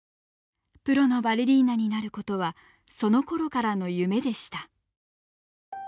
プロのバレリーナになることはそのころからの夢でした。